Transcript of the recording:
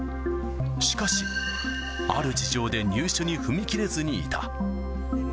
しかし、ある事情で入所に踏み切れずにいた。